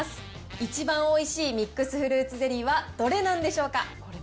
一番おいしいミックスフルーツゼリーはどれなんでしょうか。